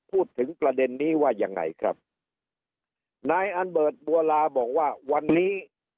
พูดถึงประเด็นนี้ว่ายังไงครับนายอันเบิร์ตบัวลาบอกว่าวันนี้